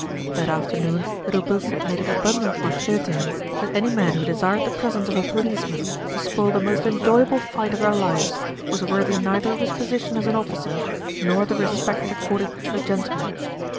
That afternoon Little Bilstead made it abundantly clear to him that any man who desired the presence of a policeman to spoil the most enjoyable fight of their lives was worthy neither of his position as an officer nor the respect accorded to a gentleman.